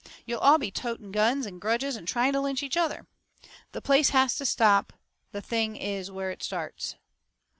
You'll all be toting guns and grudges and trying to lynch each other. "The place to stop the thing is where it starts.